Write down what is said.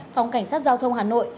phòng cảnh sát giao thông hà nội